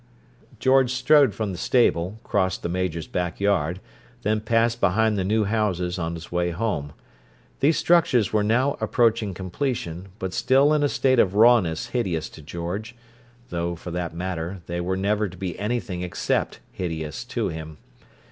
George strode from the stable, crossed the Major's back yard, then passed behind the new houses, on his way home. These structures were now approaching completion, but still in a state of rawness hideous to George—though, for that matter, they were never to be anything except hideous to him.